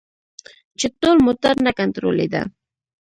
چې ټول موټر نه کنترولیده.